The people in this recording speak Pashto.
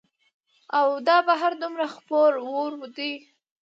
او دا بهير دومره خپور وور دى